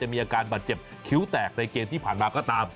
มีอาการบาดเจ็บคิ้วแตกในเกมที่ผ่านมาก็ตาม